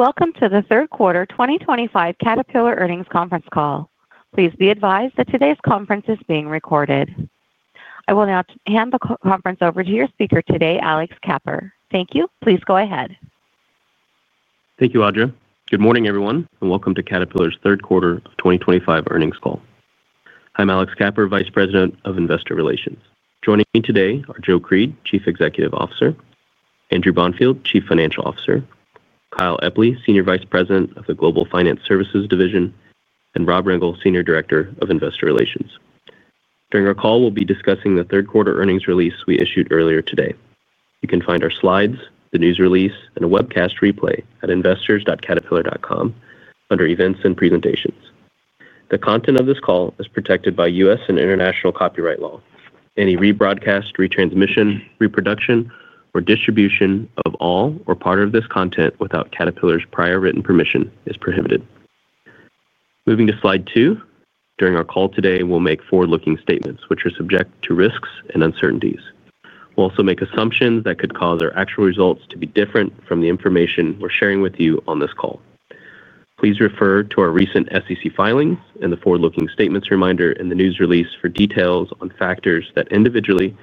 Welcome to the third quarter 2025 Caterpillar earnings conference call. Please be advised that today's conference is being recorded. I will now hand the conference over to your speaker today, Alex Kapper. Thank you. Please go ahead. Thank you, Audra. Good morning everyone and welcome to Caterpillar third quarter 2025 earnings call. I'm Alex Kapper, Vice President of Investor Relations. Joining me today are Joe Creed, Chief Executive Officer, Andrew Bonfield, Chief Financial Officer, Kyle Epley, Senior Vice President of the Global Finance Services Division, and Rob Rengel, Senior Director of Investor Relations. During our call, we'll be discussing the third quarter earnings release we issued earlier today. You can find our slides, the news release, and a webcast replay at investors.caterpillar.com under Events and Presentations. The content of this call is protected by U.S. and international copyright law. Any rebroadcast, retransmission, reproduction, or distribution of all or part of this content without Caterpillar prior written permission is prohibited. Moving to slide two, during our call today, we'll make forward-looking statements which are subject to risks and uncertainties. We'll also make assumptions that could cause our actual results to be different from the information we're sharing with you on this call. Please refer to our recent SEC filings and the forward-looking statements reminder in the news release for details on factors that individually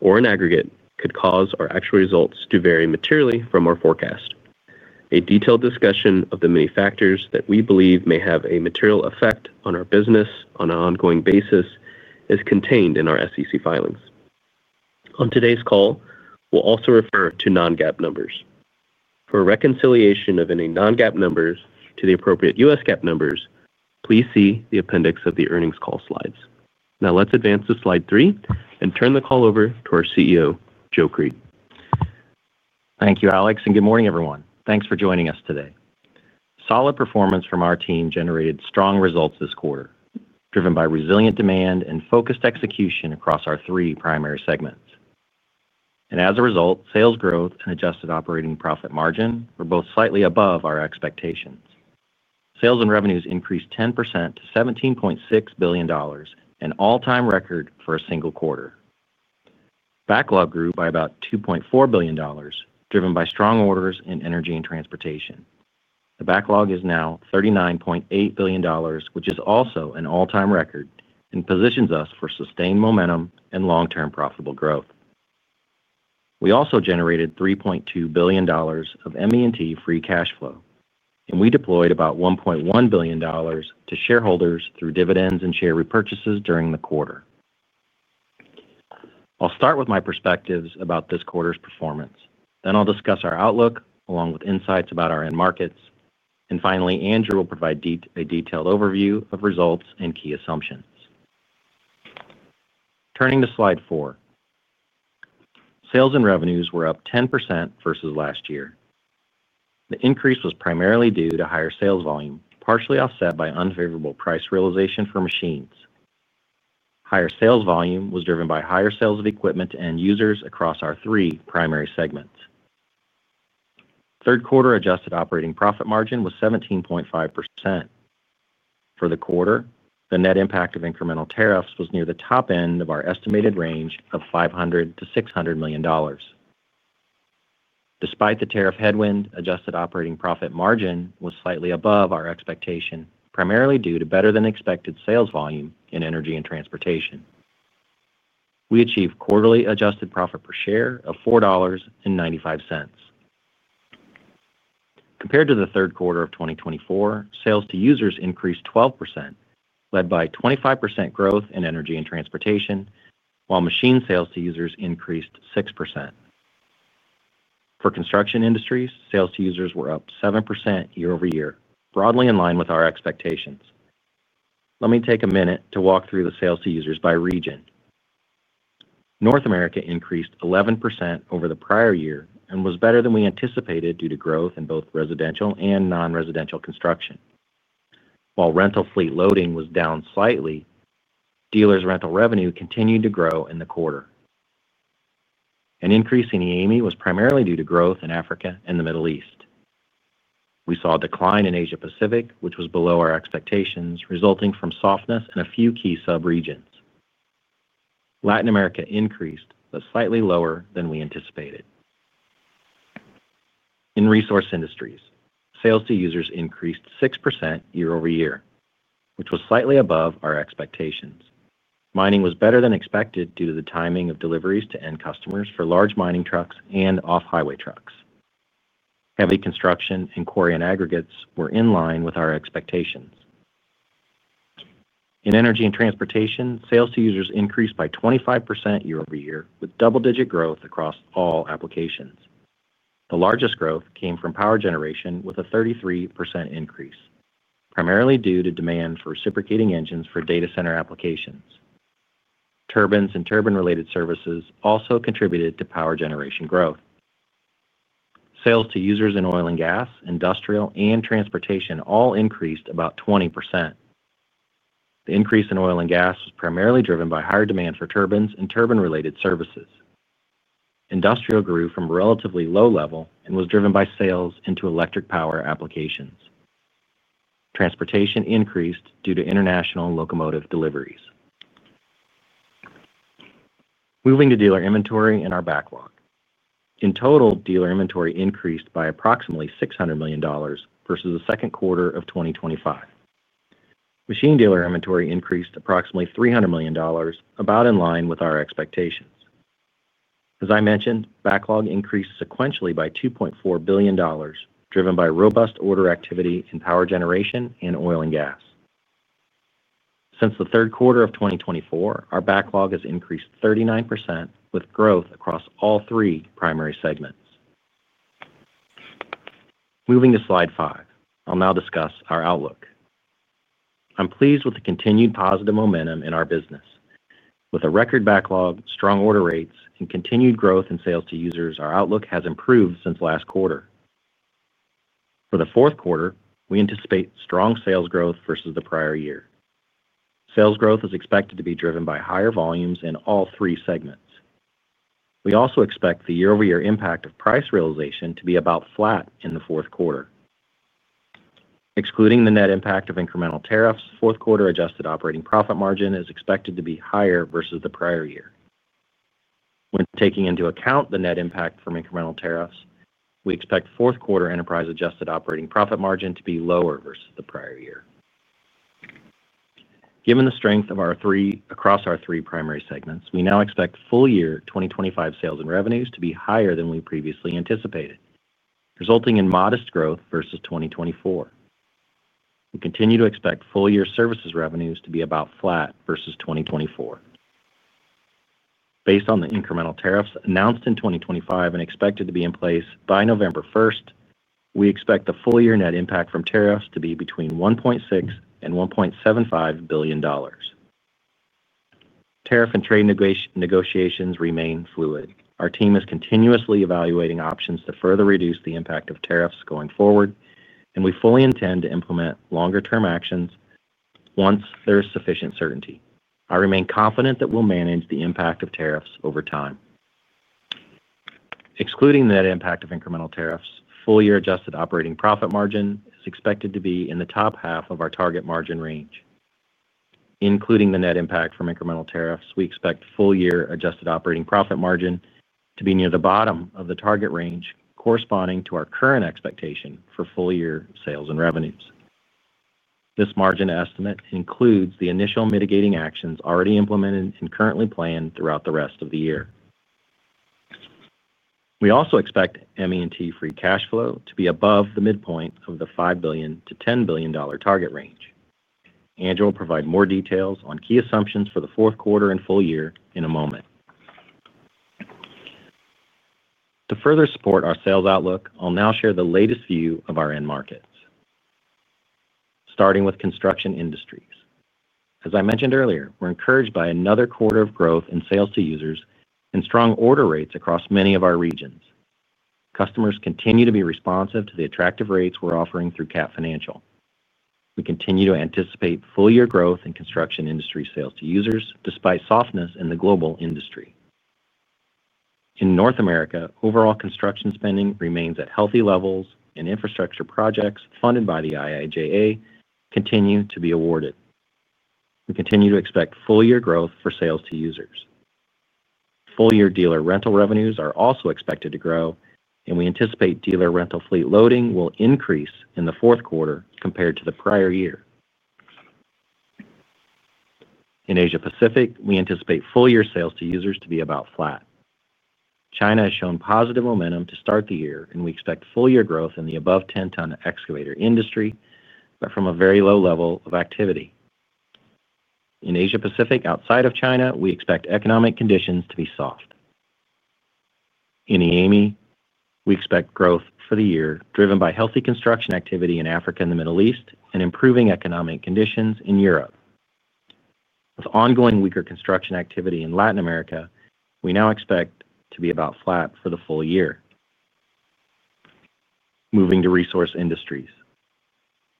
or in aggregate could cause our actual results to vary materially from our forecast. A detailed discussion of the many factors that we believe may have a material effect on our business on an ongoing basis is contained in our SEC filings. On today's call, we'll also refer to non-GAAP numbers. For a reconciliation of any non-GAAP numbers to the appropriate U.S. GAAP numbers, please see the appendix of the earnings call slides. Now let's advance to slide three and turn the call over to our CEO, Joe Creed. Thank you, Alex, and good morning, everyone. Thanks for joining us today. Solid performance from our team generated strong results this quarter, driven by resilient demand and focused execution across our three primary segments. As a result, sales growth and adjusted operating profit margin were both slightly above our expectations. Sales and revenues increased 10% to $17.6 billion, an all-time record for a single quarter. Backlog grew by about $2.4 billion, driven by strong orders in Energy and Transportation. The backlog is now $39.8 billion, which is also an all-time record and positions us for sustained momentum and long-term profitable growth. We also generated $3.2 billion of ME&T free cash flow, and we deployed about $1.1 billion to shareholders through dividends and share repurchases during the quarter. I'll start with my perspectives about this quarter's performance. Then I'll discuss our outlook along with insights about our end markets. Finally, Andrew will provide a detailed overview of results and key assumptions. Turning to slide four, sales and revenues were up 10% versus last year. The increase was primarily due to higher sales volume, partially offset by unfavorable price realization for machines. Higher sales volume was driven by higher sales of equipment to end users across our three primary segments. Third quarter adjusted operating profit margin was 17.5% for the quarter. The net impact of incremental tariffs was near the top end of our estimated range of $500 million-$600 million. Despite the tariff headwind, adjusted operating profit margin was slightly above our expectation, primarily due to better than expected sales volume. In Energy and Transportation, we achieved quarterly adjusted profit per share of $4.95 compared to the third quarter of 2024. Sales to users increased 12%, led by 25% growth in Energy and Transportation, while machine sales to users increased 6%. For Construction Industries, sales to users were up 7% year-over-year, broadly in line with our expectations. Let me take a minute to walk through the sales to users by region. North America increased 11% over the prior year and was better than we anticipated due to growth in both residential and non-residential construction, while rental fleet loading was down slightly. Dealers' rental revenue continued to grow in the quarter. An increase in EAME was primarily due to growth in Africa and the Middle East. We saw a decline in Asia Pacific, which was below our expectations, resulting from softness in a few key sub-regions. Latin America increased but was slightly lower than we anticipated. In Resource Industries, sales to users increased 6% year-over-year, which was slightly above our expectations. Mining was better than expected due to the timing of deliveries to end customers. For large mining trucks and off-highway trucks, heavy construction, and quarry and aggregates were in line with our expectations. In Energy and Transportation, sales to users increased by 25% year-over-year with double-digit growth across all applications. The largest growth came from power generation with a 33% increase, primarily due to demand for reciprocating engines for data center applications. Turbines and turbine-related services also contributed to power generation growth. Sales to users in oil and gas, industrial, and transportation all increased about 20%. The increase in oil and gas was primarily driven by higher demand for turbines and turbine-related services. Industrial grew from a relatively low level and was driven by sales into electric power applications. Transportation increased due to international locomotive deliveries, moving to dealer inventory, and our backlog. In total, dealer inventory increased by approximately $600 million versus the second quarter of 2025. Machine dealer inventory increased approximately $300 million, about in line with our expectations. As I mentioned, backlog increased sequentially by $2.4 billion, driven by robust order activity in power generation and oil and gas. Since the third quarter of 2024, our backlog has increased 39% with growth across all three primary segments. Moving to slide five, I'll now discuss our outlook. I'm pleased with the continued positive momentum in our business. With a record backlog, strong order rates, and continued growth in sales to users, our outlook has improved since last quarter. For the fourth quarter, we anticipate strong sales growth versus the prior year. Sales growth is expected to be driven by higher volumes in all three segments. We also expect the year-over-year impact of price realization to be about flat in the fourth quarter, excluding the net impact of incremental tariffs. Fourth quarter adjusted operating profit margin is expected to be higher versus the prior year. When taking into account the net impact from incremental tariffs, we expect fourth quarter enterprise adjusted operating profit margin to be lower versus the prior year. Given the strength across our three primary segments, we now expect full year 2025 sales and revenues to be higher than we previously anticipated, resulting in modest growth versus 2024. We continue to expect full year services revenues to be about flat versus 2024. Based on the incremental tariffs announced in 2025 and expected to be in place by November 1st, we expect the full year net impact from tariffs to be between $1.6 billion and $1.75 billion. Tariff and trade negotiations remain fluid. Our team is continuously evaluating options to further reduce the impact of tariffs going forward, and we fully intend to implement longer term actions once there is sufficient certainty. I remain confident that we'll manage the impact of tariffs over time. Excluding the net impact of incremental tariffs, full year adjusted operating profit margin is expected to be in the top half of our target margin range. Including the net impact from incremental tariffs, we expect full year adjusted operating profit margin to be near the bottom of the target range, corresponding to our current expectation for full year sales and revenues. This margin estimate includes the initial mitigating actions already implemented and currently planned throughout the rest of the year. We also expect ME&T free cash flow to be above the midpoint of the $5 billion-$10 billion target range. Andrew will provide more details on key assumptions for the fourth quarter and full year. To further support our sales outlook, I'll now share the latest view of our end markets starting with construction industries. As I mentioned earlier, we're encouraged by another quarter of growth in sales to users and strong order rates across many of our regions. Customers continue to be responsive to the attractive rates we're offering. Through Cat Financial, we continue to anticipate full year growth in construction industry sales to users despite softness in the global industry. In North America, overall construction spending remains at healthy levels and infrastructure projects funded by the IIJA continue to be awarded. We continue to expect full year growth for sales to users. Full year dealer rental revenues are also expected to grow, and we anticipate dealer rental fleet loading will increase in the fourth quarter compared to the prior year. In Asia Pacific, we anticipate full year sales to users to be about flat. China has shown positive momentum to start the year, and we expect full year growth in the above 10 ton excavator industry, but from a very low level of activity. In Asia Pacific outside of China, we expect economic conditions to be soft. In EAME, we expect growth for the year driven by healthy construction activity in Africa and the Middle East and improving economic conditions in Europe. With ongoing weaker construction activity in Latin America, we now expect to be about flat for the full year. Moving to Resource Industries,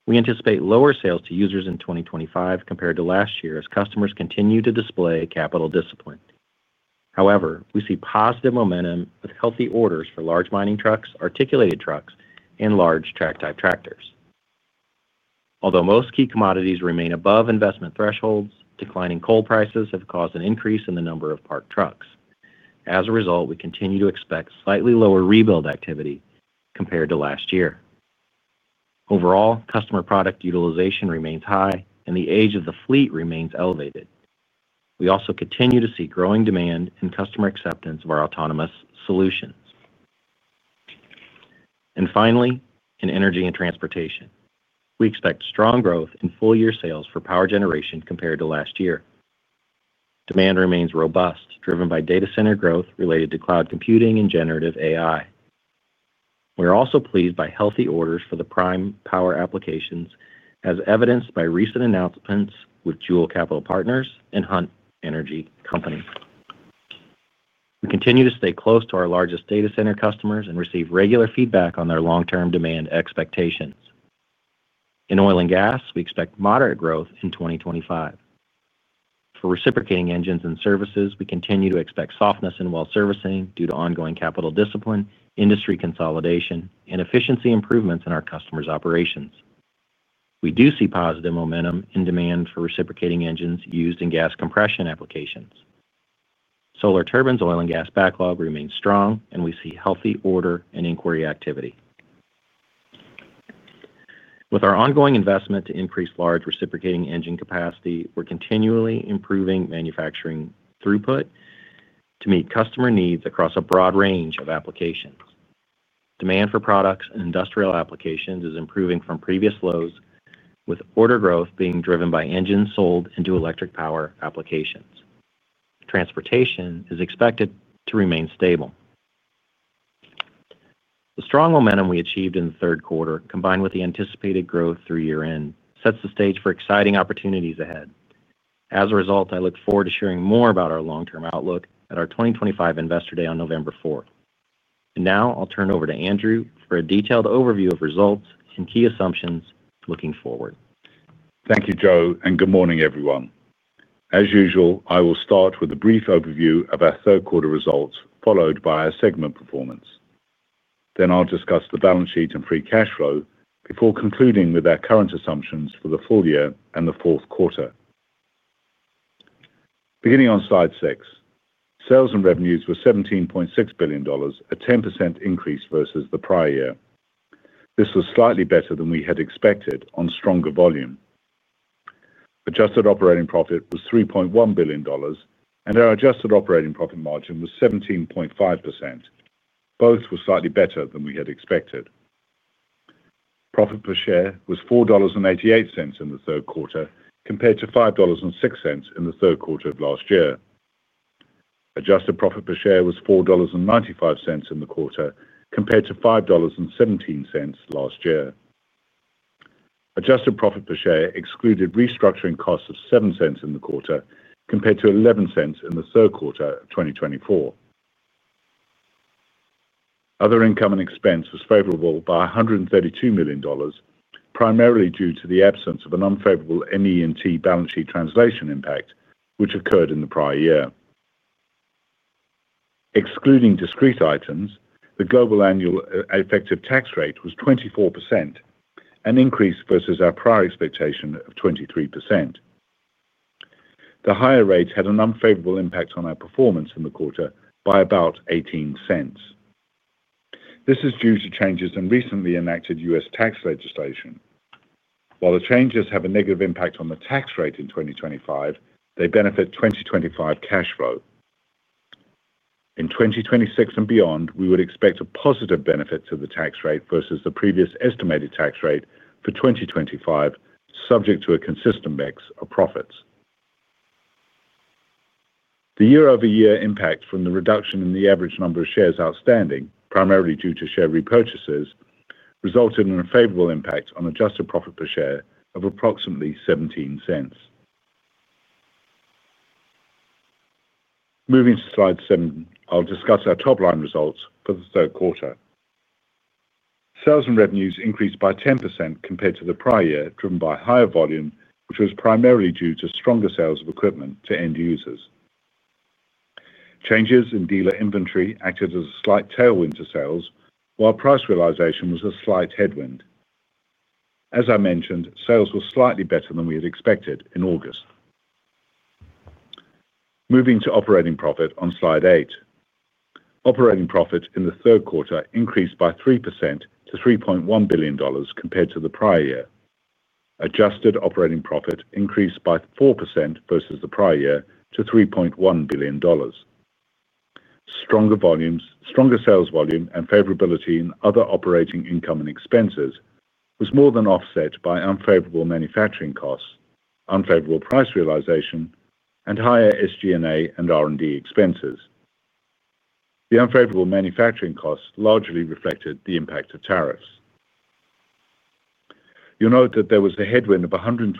we anticipate lower sales to users in 2025 compared to last year as customers continue to display capital discipline. However, we see positive momentum with healthy orders for large mining trucks, articulated trucks, and large track-type tractors. Although most key commodities remain above investment thresholds, declining coal prices have caused an increase in the number of parked trucks. As a result, we continue to expect slightly lower rebuild activity compared to last year. Overall customer product utilization remains high, and the age of the fleet remains elevated. We also continue to see growing demand and customer acceptance of our autonomous solutions. Finally, in Energy and Transportation, we expect strong growth in full year sales for power generation compared to last year. Demand remains robust, driven by data center growth related to cloud computing and generative AI. We're also pleased by healthy orders for the prime power applications as evidenced by recent announcements with Joule Capital Partners and Hunt Energy Company. We continue to stay close to our largest data center customers and receive regular feedback on their long-term demand expectations. In oil and gas, we expect moderate growth in 2025 for reciprocating engines and services. We continue to expect softness in well servicing due to ongoing capital discipline, industry consolidation, and efficiency improvements in our customers' operations. We do see positive momentum in demand for reciprocating engines used in gas compression applications. Solar Turbines' oil and gas backlog remains strong, and we see healthy order and inquiry activity with our ongoing investment to increase large reciprocating engine capacity. We're continually improving manufacturing throughput to meet customer needs across a broad range of applications. Demand for products and industrial applications is improving from previous lows, with order growth being driven by engines sold into electric power applications. Transportation is expected to remain stable. The strong momentum we achieved in the third quarter, combined with the anticipated growth through year end, sets the stage for exciting opportunities ahead. As a result, I look forward to sharing more about our long term outlook at our 2025 Investor Day on November 4. I will now turn over to Andrew for a detailed overview of results and key assumptions looking forward. Thank you Joe and good morning everyone. As usual, I will start with a brief overview of our third quarter results followed by our segment performance. Then I'll discuss the balance sheet and free cash flow before concluding with our current assumptions for the full year and the fourth quarter. Beginning on slide six, sales and revenues were $17.6 billion, a 10% increase versus the prior year. This was slightly better than we had expected on stronger volume. Adjusted operating profit was $3.1 billion and our adjusted operating profit margin was 17.5%. Both were slightly better than we had expected. Profit per share was $4.88 in the third quarter compared to $5.06 in the third quarter of last year. Adjusted profit per share was $4.95 in the quarter compared to $5.17 last year. Adjusted profit per share excluded restructuring costs of $0.07 in the quarter compared to $0.11 in the third quarter 2024. Other income and expense was favorable by $132 million, primarily due to the absence of an unfavorable net balance sheet translation impact which occurred in the prior year. Excluding discrete items, the global annual effective tax rate was 24%, an increase versus our prior expectation of 23%. The higher rate had an unfavorable impact on our performance in the quarter by about $0.18. This is due to changes in recently enacted U.S. tax legislation. While the changes have a negative impact on the tax rate in 2025, they benefit 2025 cash flow in 2026 and beyond. We would expect a positive benefit to the tax rate versus the previous estimated tax rate for 2025, subject to a consistent mix of profits. The year-over-year impact from the reduction in the average number of shares outstanding, primarily due to share repurchases, resulted in a favorable impact on adjusted profit per share of approximately $0.17. Moving to slide seven, I'll discuss our top line results for the third quarter. Sales and revenues increased by 10% compared to the prior year, driven by higher volume which was primarily due to stronger sales of equipment to end users. Changes in dealer inventory acted as a slight tailwind to sales, while price realization was a slight headwind. As I mentioned, sales were slightly better than we had expected in August. Moving to operating profit on slide eight, operating profit in the third quarter increased by 3% to $3.1 billion compared to the prior year. Adjusted operating profit increased by 4% versus the prior year to $3.1 billion. Stronger volumes, stronger sales volume and favorability in other operating income and expenses was more than offset by unfavorable manufacturing costs, unfavorable price realization and higher SG&A and R&D expenses. The unfavorable manufacturing costs largely reflected the impact of tariffs. You'll note that there was a headwind of $127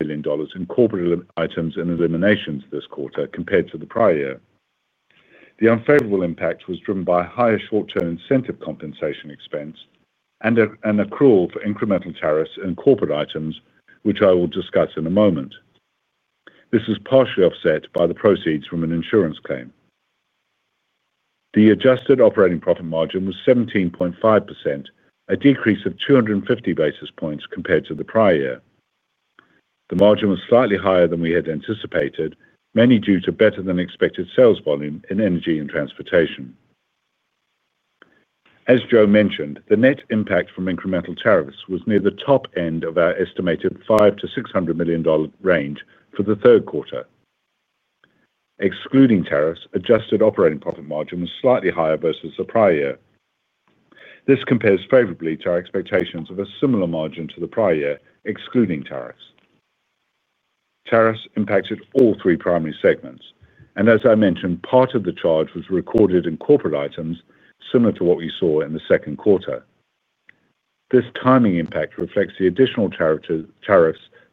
million in corporate items and eliminations this quarter compared to the prior year. The unfavorable impact was driven by higher short-term incentive compensation expenses and an accrual for incremental tariffs and corporate items, which I will discuss in a moment. This is partially offset by the proceeds from an insurance claim. The adjusted operating profit margin was 17.5%, a decrease of 250 basis points compared to the prior year. The margin was slightly higher than we had anticipated, mainly due to better than expected sales volume in Energy and Transportation. As Joe mentioned, the net impact from incremental tariffs was near the top end of our estimated $500-$600 million range for the third quarter. Excluding tariffs, adjusted operating profit margin was slightly higher versus the prior year. This compares favorably to our expectations of a similar margin to the prior year excluding tariffs. Tariffs impacted all three primary segments and as I mentioned, part of the charge was recorded in corporate items similar to what we saw in the second quarter. This timing impact reflects the additional tariffs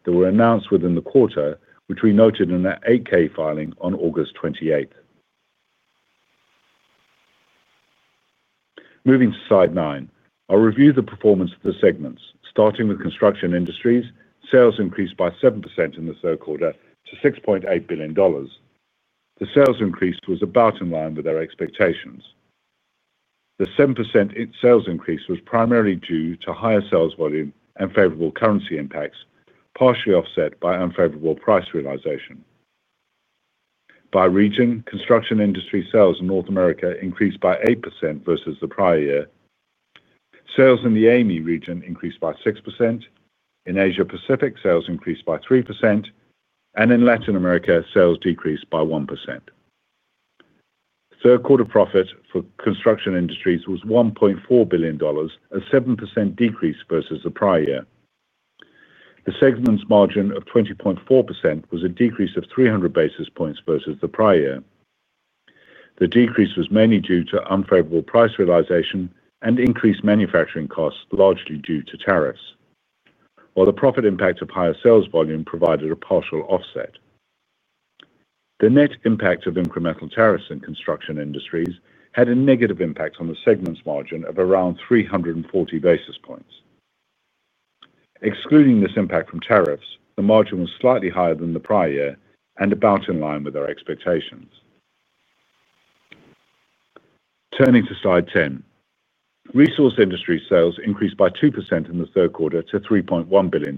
that were announced within the quarter, which we noted in the 8-K filing on August 28th. Moving to slide nine, I'll review the performance of the segments starting with Construction Industries. Sales increased by 7% in the third quarter to $6.8 billion. The sales increase was about in line with our expectations. The 7% sales increase was primarily due to higher sales volume and favorable currency impacts, partially offset by unfavorable price realization by region. Construction Industries sales in North America increased by 8% versus the prior year. Sales in the EAME region increased by 6%, in Asia Pacific sales increased by 3%, and in Latin America sales decreased by 1%. Third quarter profit for Construction Industries was $1.4 billion, a 7% decrease versus the prior year. The segment's margin of 20.4% was a decrease of 300 basis points versus the prior year. The decrease was mainly due to unfavorable price realization and increased manufacturing costs, largely due to tariffs. While the profit impact of higher sales volume provided a partial offset, the net impact of incremental tariffs in Construction Industries had a negative impact on the segment's margin of around 340 basis points. Excluding this impact from tariffs, the margin was slightly higher than the prior year and about in line with our expectations. Turning to slide 10, Resource Industries sales increased by 2% in the third quarter to $3.1 billion.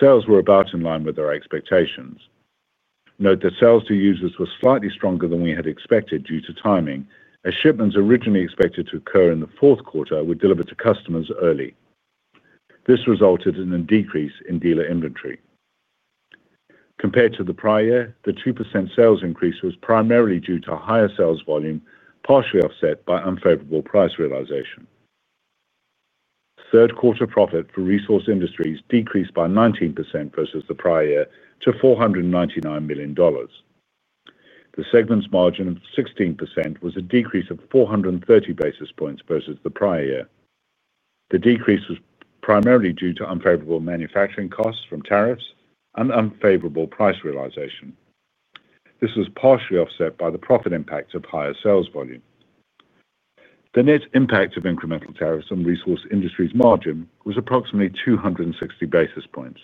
Sales were about in line with our expectations. Note that sales to users were slightly stronger than we had expected due to timing, as shipments originally expected to occur in the fourth quarter were delivered to customers early. This resulted in a decrease in dealer inventory compared to the prior year. The 2% sales increase was primarily due to higher sales volume, partially offset by unfavorable price realization. Third quarter profit for Resource Industries decreased by 19% versus the prior year to $499 million. The segment's margin of 16% was a decrease of 430 basis points versus the prior year. The decrease was primarily due to unfavorable manufacturing costs from tariffs and unfavorable price realization. This was partially offset by the profit impact of higher sales volume. The net impact of incremental tariffs on Resource Industries margin was approximately 260 basis points.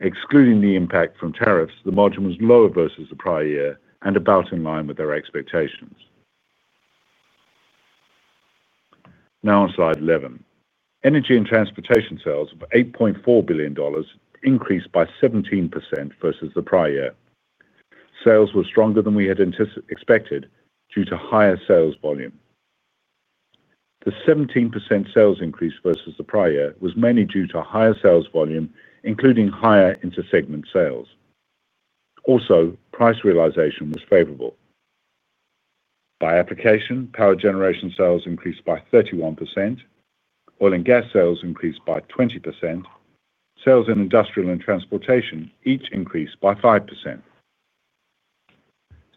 Excluding the impact from tariffs, the margin was lower versus the prior year and about in line with their expectations. Now on slide 11, Energy and Transportation sales of $8.4 billion increased by 17% versus the prior year. Sales were stronger than we had expected due to higher sales volume. The 17% sales increase versus the prior year was mainly due to higher sales volume including higher intersegment sales. Also, price realization was favorable by application. Power generation sales increased by 31%. Oil and gas sales increased by 20%. Sales in industrial and transportation each increased by 5%.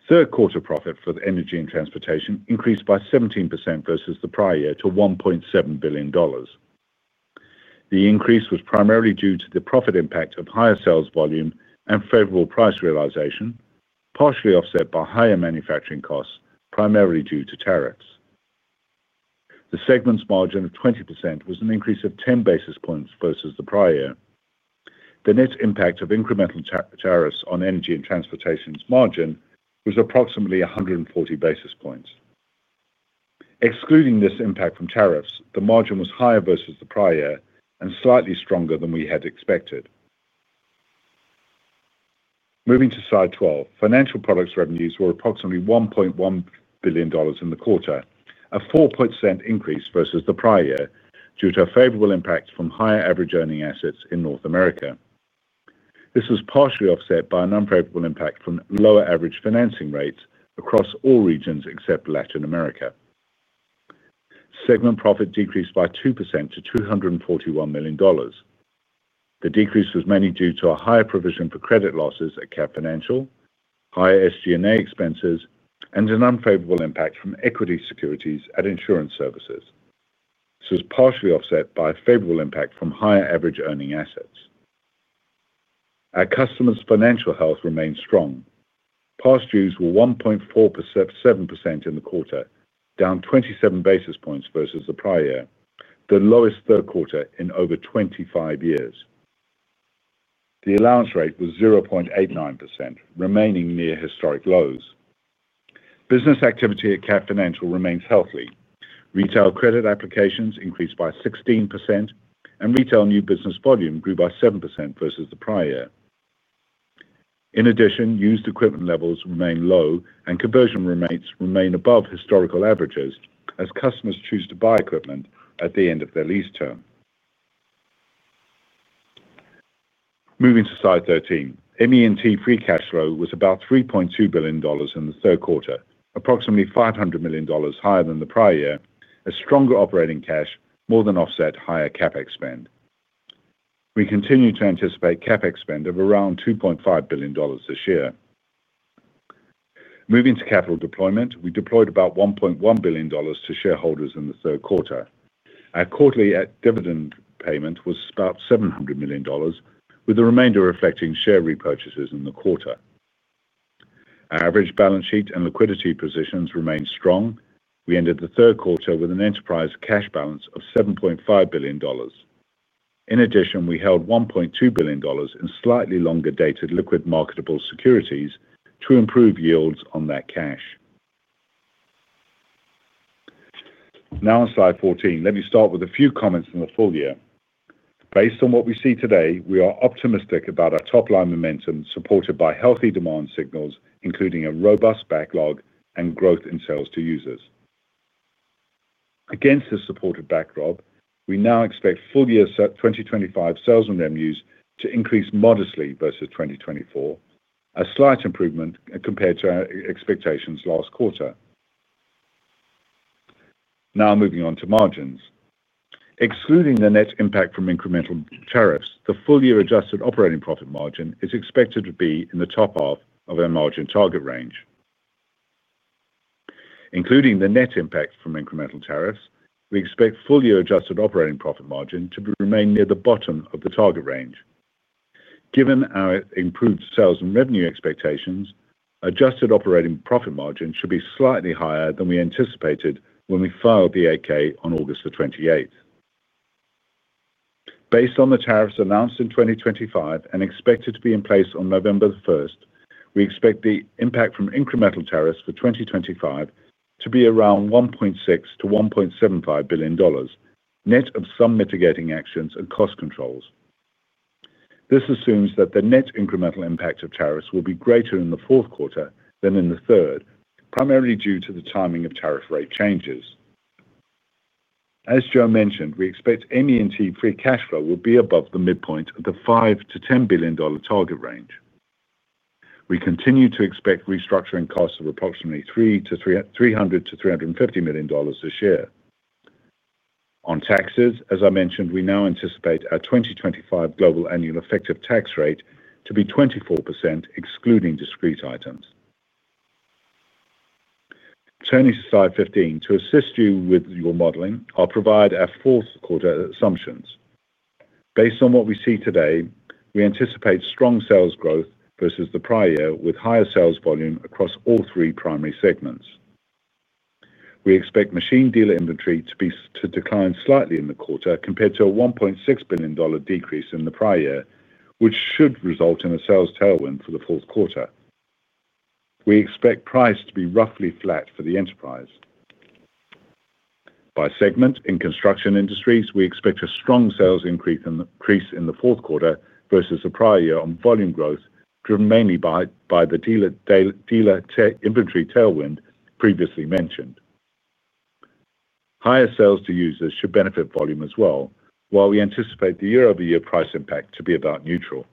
Third quarter profit for Energy and Transportation increased by 17% versus the prior year to $1.7 billion. The increase was primarily due to the profit impact of higher sales volume and favorable price realization, partially offset by higher manufacturing costs, primarily due to tariffs. The segment's margin of 20% was an increase of 10 basis points versus the prior year. The net impact of incremental tariffs on Energy and Transportation's margin was approximately 140 basis points. Excluding this impact from tariffs, the margin was higher versus the prior year and slightly stronger than we had expected. Moving to slide 12, Financial Products revenues were approximately $1.1 billion in the quarter, a 4% increase versus the prior year due to a favorable impact from higher average earning assets in North America. This was partially offset by an unfavorable impact from lower average financing rates across all regions except Latin America. Segment profit decreased by 2% to $241 million. The decrease was mainly due to a higher provision for credit losses at Cat Financial, higher SG&A expenses, and an unfavorable impact from equity securities at Insurance Services. This was partially offset by a favorable impact from higher average earning assets. Our customers' financial health remains strong. Past dues were 1.47% in the quarter, down 27 basis points versus the prior year, the lowest third quarter in over 25 years. The allowance rate was 0.89%, remaining near historic lows. Business activity at Cat Financial remains healthy. Retail credit applications increased by 16% and retail new business volume grew by 7% versus the prior year. In addition, used equipment levels remain low and conversion rates remain above historical averages as customers choose to buy equipment at the end of their lease term. Moving to slide 13, ME&T free cash flow was about $3.2 billion in the third quarter, approximately $500 million higher than the prior year. A stronger operating cash flow more than offset higher CapEx spend. We continue to anticipate CapEx spend of around $2.5 billion this year. Moving to capital deployment, we deployed about $1.1 billion to shareholders in the third quarter. Our quarterly dividend payment was about $700 million, with the remainder reflecting share repurchases in the quarter. Average balance sheet and liquidity positions remained strong. We ended the third quarter with an enterprise cash balance of $7.5 billion. In addition, we held $1.2 billion in slightly longer-dated liquid marketable securities to improve yields on that cash. Now on slide 14, let me start with a few comments for the full year based on what we see today. We are optimistic about our top line momentum supported by healthy demand signals including a robust backlog and growth in sales to users. Against this supported backdrop, we now expect full year 2025 sales and revenues to increase modestly versus 2024, a slight improvement compared to our expectations last quarter. Now moving on to margins, excluding the net impact from incremental tariffs, the full year adjusted operating profit margin is expected to be in the top half of our margin target range. Including the net impact from incremental tariffs, we expect full year adjusted operating profit margin to remain near the bottom of the target range. Given our improved sales and revenue expectations, adjusted operating profit margin should be slightly higher than we anticipated when we filed the 8-K on August 28. Based on the tariffs announced in 2025 and expected to be in place on November 1st, we expect the impact from incremental tariffs for 2025 to be around $1.6 billion-$1.75 billion net of some mitigating actions and cost controls. This assumes that the net incremental impact of tariffs will be greater in the fourth quarter than in the third, primarily due to the timing of tariff rate changes. As Joe mentioned, we expect ME&T free cash flow will be above the midpoint of the $5 billion-$10 billion target range. We continue to expect restructuring costs of approximately $300 million-$350 million this year. On taxes, as I mentioned, we now anticipate our 2025 global annual effective tax rate to be 24% excluding discrete items. Turning to slide 15, to assist you with your modeling, I'll provide our fourth quarter assumptions based on what we see today. We anticipate strong sales growth versus the prior year with higher sales volume across all three primary segments. We expect machine dealer inventory to decline slightly in the quarter compared to a $1.6 billion decrease in the prior year, which should result in a sales tailwind for the fourth quarter. We expect price to be roughly flat for the enterprise by segment. In Construction Industries, we expect a strong sales increase in the fourth quarter versus the prior year on volume growth driven mainly by the dealer inventory tailwind previously mentioned. Higher sales to users should benefit volume as well. While we anticipate the year-over-year price impact to be about neutral,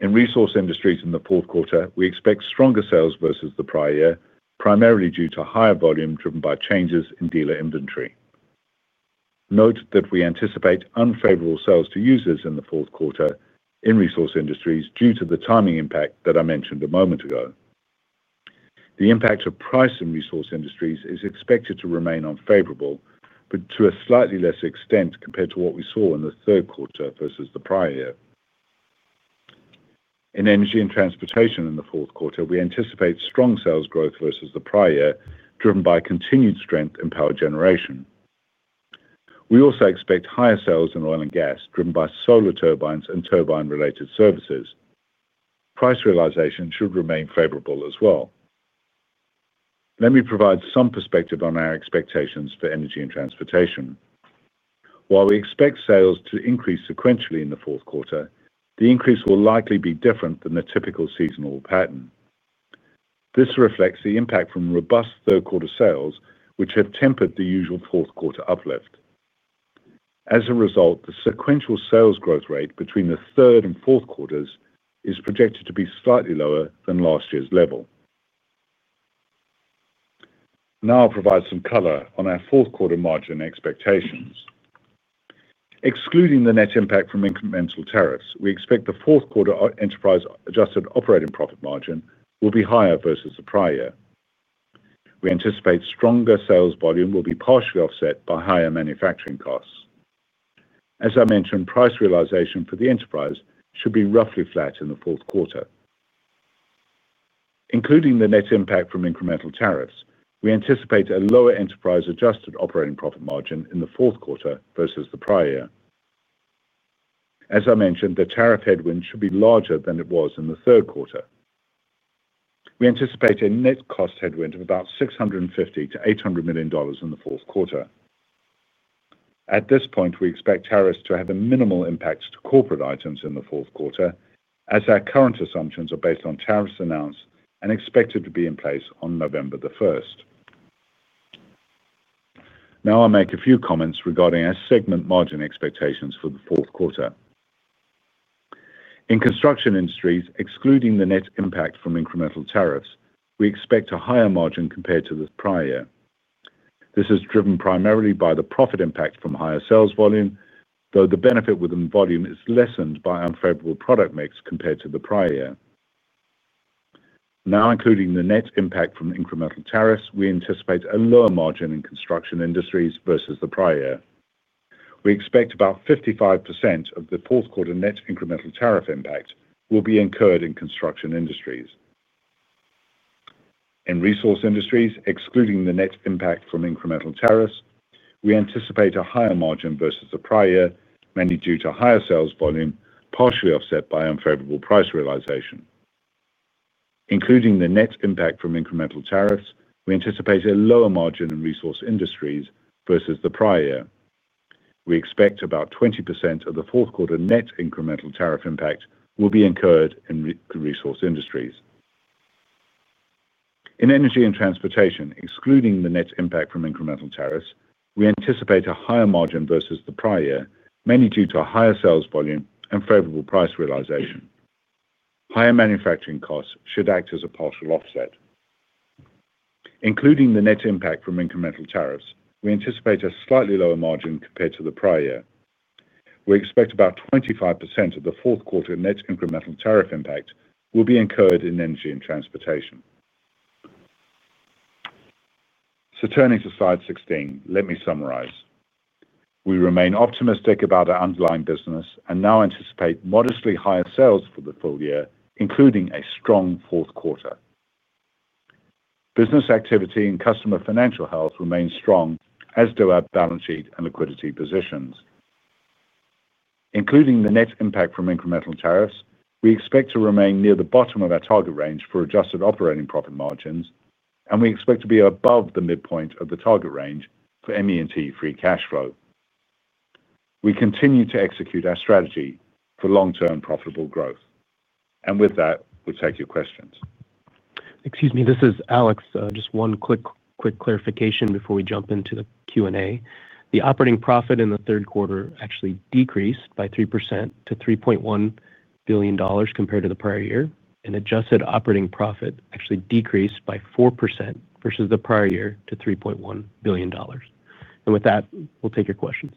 in Resource Industries in the fourth quarter we expect stronger sales versus the prior year primarily due to higher volume driven by changes in dealer inventory. Note that we anticipate unfavorable sales to users in the fourth quarter in Resource Industries due to the timing impact that I mentioned a moment ago. The impact of price in resource industries is expected to remain unfavourable but to a slightly lesser extent compared to what we saw in the third quarter versus the prior year. In energy and transportation in the fourth quarter, we anticipate strong sales growth versus the prior year driven by continued strength in power generation. We also expect higher sales in oil and gas driven by Solar Turbines and turbine related services. Price realization should remain favorable as well. Let me provide some perspective on our expectations for energy and transportation. While we expect sales to increase sequentially in the fourth quarter, the increase will likely be different than the typical seasonal pattern. This reflects the impact from robust third quarter sales, which have tempered the usual fourth quarter uplift. As a result, the sequential sales growth rate between the third and fourth quarters is projected to be slightly lower than last year's level. Now I'll provide some color on our fourth quarter margin expectations. Excluding the net impact from incremental tariffs, we expect the fourth quarter enterprise adjusted operating profit margin will be higher versus the prior year. We anticipate stronger sales volume will be partially offset by higher manufacturing costs. As I mentioned, price realization for the enterprise should be roughly flat in the fourth quarter. Including the net impact from incremental tariffs, we anticipate a lower enterprise adjusted operating profit margin in the fourth quarter versus the prior year. As I mentioned, the tariff headwind should be larger than it was in the third quarter. We anticipate a net cost headwind of about $650 million-$800 million in the fourth quarter. At this point, we expect tariffs to have a minimal impact to corporate items in the fourth quarter as our current assumptions are based on tariffs announced and expected to be in place on November 1st. Now I'll make a few comments regarding our segment margin expectations for the fourth quarter. In construction industries, excluding the net impact from incremental tariffs, we expect a higher margin compared to the prior year. This is driven primarily by the profit impact from higher sales volume, though the benefit within volume is lessened by unfavorable product mix compared to the prior year. Now, including the net impact from incremental tariffs, we anticipate a lower margin. In Construction Industries versus the prior year, we expect about 55% of the fourth quarter net incremental tariff impact will be incurred in Construction Industries. In Resource Industries, excluding the net impact from incremental tariffs, we anticipate a higher margin versus the prior year mainly due to higher sales volume, partially offset by unfavorable price realization. Including the net impact from incremental tariffs, we anticipate a lower margin. In Resource Industries versus the prior year, we expect about 20% of the fourth quarter net incremental tariff impact will be incurred in Resource Industries. In Energy and Transportation, excluding the net impact from incremental tariffs, we anticipate a higher margin versus the prior year, mainly due to a higher sales volume and favorable price realization. Higher manufacturing costs should act as a partial offset. Including the net impact from incremental tariffs, we anticipate a slightly lower margin compared to the prior year. We expect about 25% of the fourth quarter net incremental tariff impact will be incurred in Energy and Transportation. Turning to slide 16, let me summarize. We remain optimistic about our underlying business and now anticipate modestly higher sales for the full year, including a strong fourth quarter business activity. Customer financial health remains strong, as do our balance sheet and liquidity positions. Including the net impact from incremental tariffs, we expect to remain near the bottom of our target range for adjusted operating profit margins, and we expect to be above the midpoint of the target range for ME&T free cash flow. We continue to execute our strategy for long-term profitable growth, and with that, we'll take your questions. Excuse me, this is Alex. Just one quick clarification before we jump into the Q&A. The operating profit in the third quarter actually decreased by 3% to $3.1 billion compared to the prior year. Adjusted operating profit actually decreased by 4% versus the prior year to $3.1 billion. With that, we'll take your questions.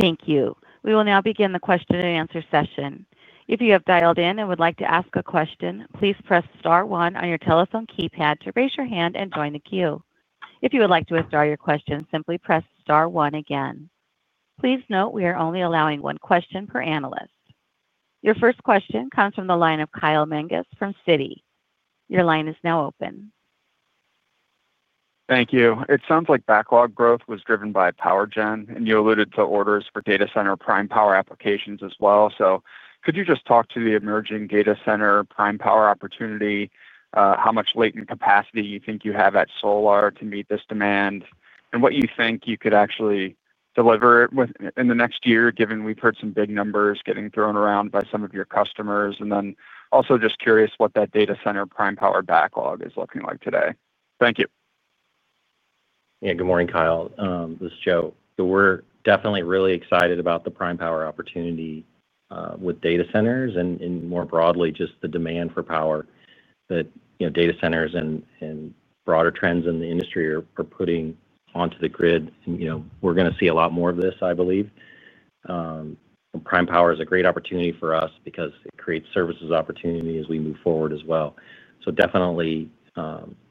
Thank you. We will now begin the question and answer session. If you have dialed in and would like to ask a question, please press star one on your telephone keypad to raise your hand and join the queue. If you would like to withdraw your question, simply press star one again. Please note we are only allowing one question per analyst. Your first question comes from the line of Kyle Menges from Citi. Your line is now open. Thank you. It sounds like backlog growth was driven. By power gen, and you alluded to. Orders for data center prime power applications as well. Could you just talk to the. Emerging data center prime power opportunity? How much latent capacity do you think you have at Solar to meet this demand, and what do you think you could actually? Deliver in the next year given we've heard some big numbers getting thrown around. By some of your customers. I am also just curious what that data center prime power backlog is looking like today. Thank you. Yeah, good morning Kyle, this is Joe. We're definitely really excited about the prime power opportunity with data centers and more broadly, just the demand for power that data centers and broader trends in the industry are putting onto the grid. We're going to see a lot more of this. I believe prime power is a great opportunity for us because it creates services opportunity as we move forward as well.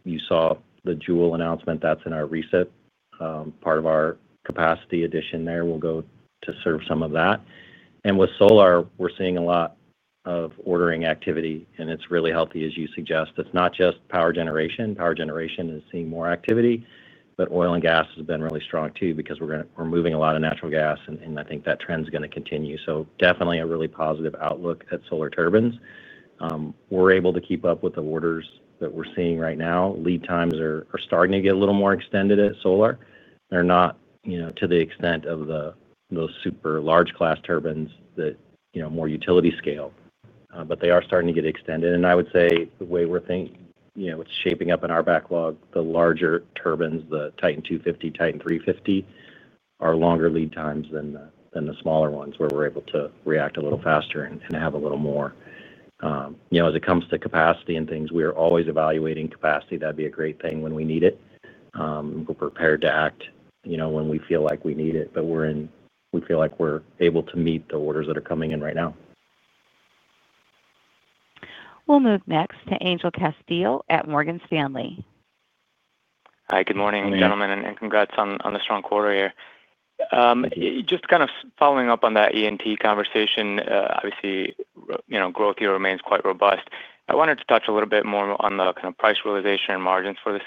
You saw the Joule announcement. That's in our reset part of our capacity addition that will go to serve some of that. With Solar we're seeing a lot of ordering activity and it's really healthy, as you suggest. It's not just power generation. Power generation is seeing more activity, but oil and gas has been really strong too because we're moving a lot of natural gas and I think that trend is going to continue. Definitely a really positive outlook. At Solar Turbines, we're able to keep up with the orders that we're seeing right now. Lead times are starting to get a little more extended at Solar. They're not, you know, to the extent of those super large class turbines that are more utility scale, but they are starting to get extended. I would say the way we're thinking, it's shaping up in our backlog. The larger turbines, the Titan 250, Titan 350, are longer lead times than the smaller ones where we're able to react a little faster and have a little more, you know, as it comes to capacity and things, we are always evaluating capacity. That'd be a great thing when we need it. We're prepared to act when we feel like we need it. We feel like we're able to meet the orders that are coming in right now. We'll move next to Angel Castillo at Morgan Stanley. Hi, good morning gentlemen and congrats on the strong quarter here. Just kind of following up on that E&T conversation. Obviously, growth year remains quite robust. I wanted to touch a little bit more on the kind of price realization and margins for the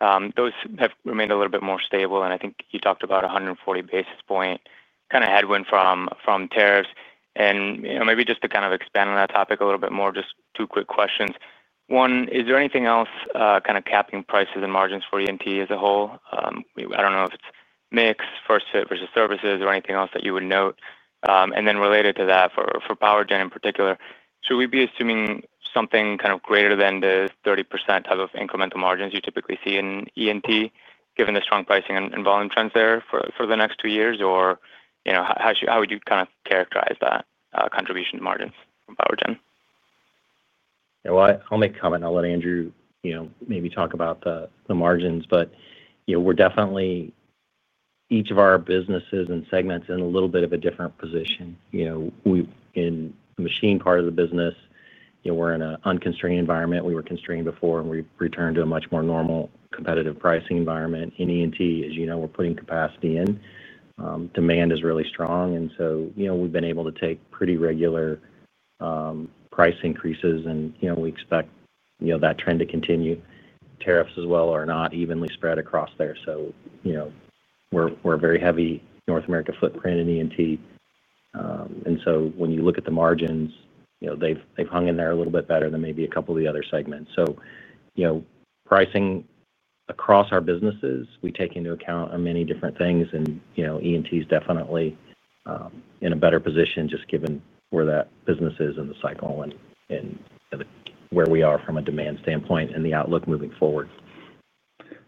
segment. Those have remained a little bit more stable, and I think you talked about a 140 basis point kind of headwind from tariffs, and maybe just to kind of expand on that topic a little bit more. Just two quick questions. One, is there anything else kind of capping prices and margins for E&T as a whole? I don't know if it's mix, first fit versus services, or anything else that you would note, and then related to that for power gen in particular, should we be assuming something kind of greater than the 30% type of incremental margins you typically see in E&T given the strong pricing and volume trends there for the next two years, or how would you kind of characterize that contribution to margins from power gen? I'll make a comment. I'll let Andrew maybe talk about the margins, but we're definitely each of our businesses and segments in a little bit of a different position. In the machine part of the business, we're in an unconstrained environment. We were constrained before, and we return to a much more normal competitive pricing environment. In E&T, as you know, we're putting capacity in. Demand is really strong, and we've been able to take pretty regular price increases. We expect that trend to continue. Tariffs as well are not evenly spread across there. We're a very heavy North America footprint in E&T, and when you look at the margins, they've hung in there a little bit better than maybe a couple of the other segments. Pricing across our businesses we take into account on many different things, and E&T is definitely in a better position just given where that business is in the cycle and where we are from a demand standpoint and the outlook moving forward.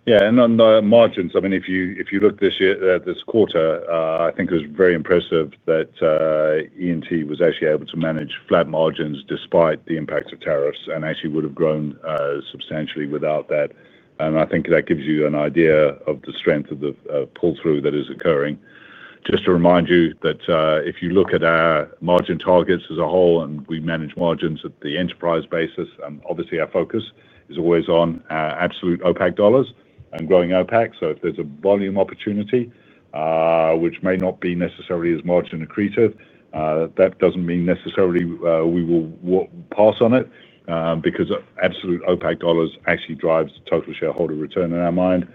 Yeah, and on the margins, I mean if you look this quarter, I think it was very impressive that E&T was actually able to manage flat margins despite the impact of tariffs. Tariffs actually would have grown substantially without that. I think that gives you an idea of the strength of the pull through that is occurring. Just to remind you that if you look at our margin targets as a whole and we manage margins at the enterprise basis, obviously our focus is always on absolute OpEx dollars and growing OpEx. If there's a volume opportunity which may not be necessarily as margin accretive, that doesn't mean necessarily we will pass on it because absolute OpEx dollars actually drives total shareholder return in our mind.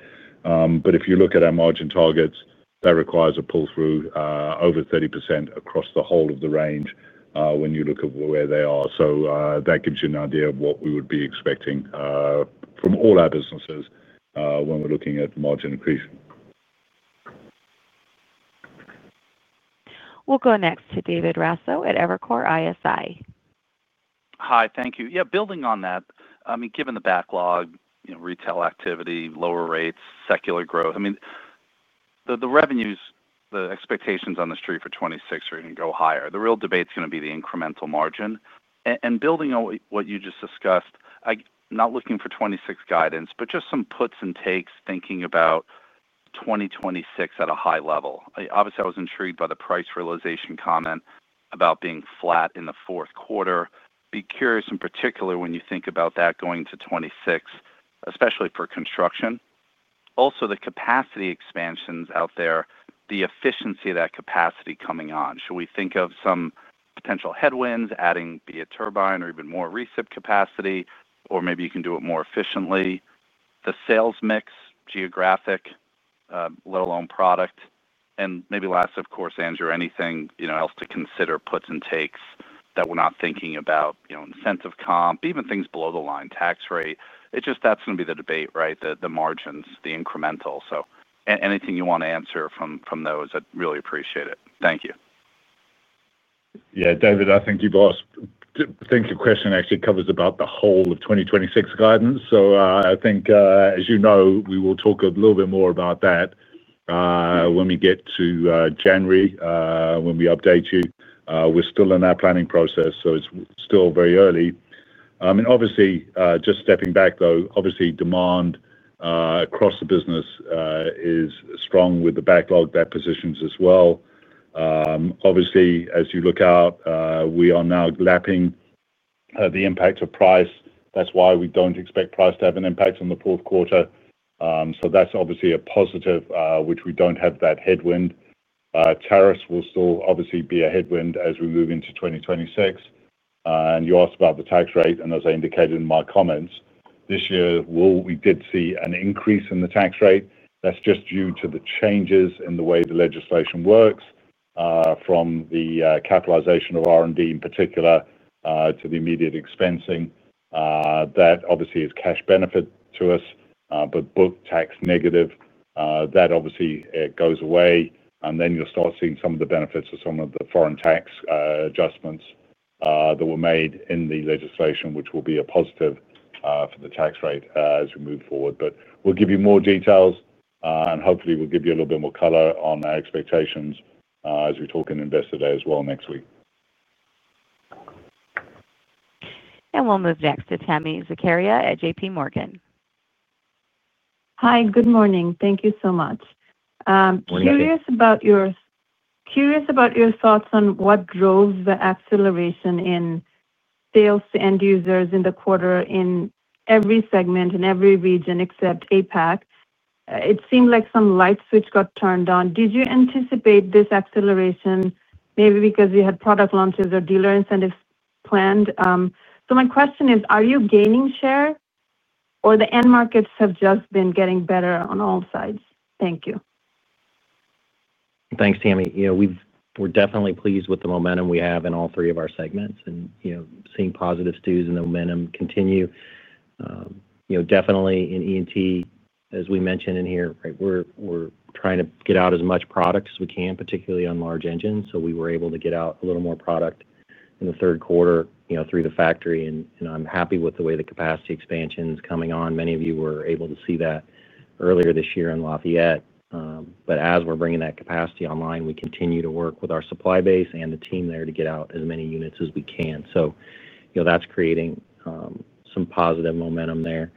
If you look at our margin targets, that requires a pull through over 30% across the whole of the range when you look at where they are. That gives you an idea of what we would be expecting from all our businesses when we're looking at margin increase. We'll go next to David Raso at Evercore ISI. Hi, thank you. Yeah, building on that, given the backlog, retail activity, lower rates, secular growth, the revenues, the expectations on the street for 2026 are going to go higher. The real debate is going to be the incremental margin. Building on what you just discussed, not looking for 2026 guidance but just some puts and takes. Thinking about 2026 at a high level. Obviously, I was intrigued by the price realization comment about being flat in the fourth quarter. Be curious in particular when you think about that going to 2026, especially for construction, also the capacity expansions out there, the efficiency of that capacity coming on, should we think of some potential headwinds adding be a turbine or even more recip capacity or maybe you can do it more efficiently, the sales mix, geographic let alone product. Maybe last of course, Andrew, anything else to consider, puts and takes that we're not thinking about, incentive comp, even things below the line tax rate. That's going to be the debate. Right. The margins, the incremental. Anything you want to answer from those, I really appreciate it. Thank you. Yeah. David, I think your question actually covers about the whole of 2026 guidance. As you know, we will talk a little bit more about that when we get to January when we update you. We're still in that planning process, so it's still very early and obviously just stepping back though. Demand across the business is strong with the backlog that positions us well. As you look out, we are now lapping the impact of price. That's why we don't expect price to have an impact on the fourth quarter. That's a positive, which means we don't have that headwind. Tariffs will still be a headwind as we move into 2026. You asked about the tax rate and as I indicated in my comments, this year we did see an increase in the tax rate that's just due to the changes in the way the legislation works from the capitalization of R&D in particular to the immediate expensing that is a cash benefit to us, but book tax negative, that goes away. You'll start seeing some of the benefits of some of the foreign tax adjustments that were made in the legislation, which will be a positive for the tax rate as we move forward. We'll give you more details and hopefully we'll give you a little bit more color on our expectations as we talk in Investor Day as well next week. We'll move next to Tami Zakaria at JPMorgan. Hi, good morning. Thank you so much. Curious about your thoughts on what drove the acceleration in sales to end users in the quarter in every segment, in every region except Asia Pacific. It seemed like some light switch got turned on. Did you anticipate this acceleration maybe because you had product launches or dealer incentives planned? My question is, are you gaining share or the end markets have just been getting better on all sides. Thank you. Thanks, Tami. We're definitely pleased with the momentum we have in all three of our segments and seeing positive STUs and momentum continue, definitely in E&T, as we mentioned in here. We're trying to get out as much product as we can, particularly on large engines. We were able to get out a little more product in the third quarter through the factory, and I'm happy with the way the capacity expansion is coming on. Many of you were able to see that earlier this year in Lafayette. As we're bringing that capacity online, we continue to work with our supply base and the team there to get out as many units as we can. That's creating some positive momentum there.